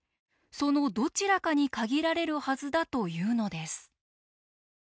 そのどちらかに限られるはずだというのです。